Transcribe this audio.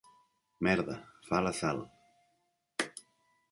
Merda, fa la Sal.